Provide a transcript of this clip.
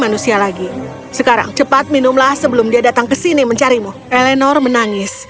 manusia lagi sekarang cepat minumlah sebelum dia datang ke sini mencarimu eleanor menangis